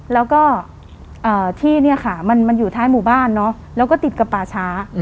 แล้วก็ที่เนี่ยค่ะมันอยู่ท้ายหมู่บ้านแล้วก็ติดกับป่าช้า